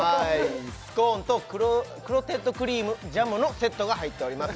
スコーンとクロテッドクリームジャムのセットが入っております